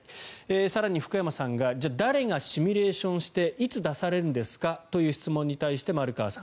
更に福山さんがじゃあ誰がシミュレーションしていつ出されるんですかという質問に対して、丸川さん。